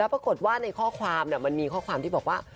ปรากฏว่าในข้อความมันมีข้อความที่บอกว่า